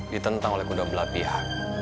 ditentang oleh kedua belah pihak